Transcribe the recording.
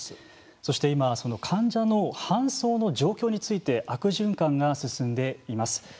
そして今患者の搬送の状況について悪循環が進んでいます。